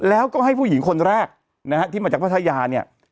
แล้วก็ให้ผู้หญิงคนแรกนะฮะที่มาจากพัทยาเนี่ย